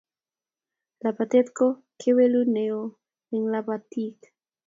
lapatet ko kewelutyet neo eng lapatik